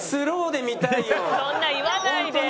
「そんな言わないでよ」